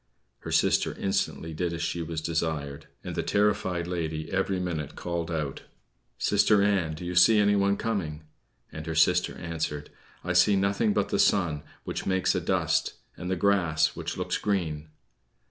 Her sister instantly did as she was desired, and the terrified lady every minute called out: "Sister Ann, do you see anyone coming?" And her sister answered: "I see nothing but the sun, which makes a dust, and the grass, which looks green."